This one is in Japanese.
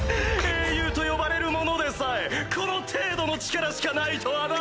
英雄と呼ばれる者でさえこの程度の力しかないとはな！